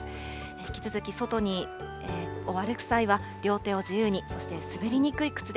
引き続き外に歩く際は両手を自由に、そして滑りにくい靴で。